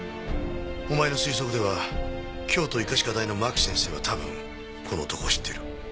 お前の推測では京都医科歯科大の真木先生は多分この男を知ってる。